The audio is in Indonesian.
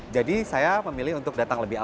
jadi saya memilih untuk datang lebih awal